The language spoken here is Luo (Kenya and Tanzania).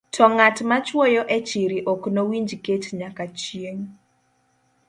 To ng'at ma chwoyo e chiri ok nowinj kech nyaka chieng'.